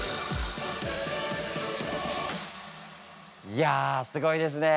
いやすごいですね。